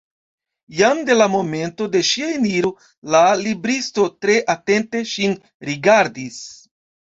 Jam de la momento de ŝia eniro la libristo tre atente ŝin rigardis.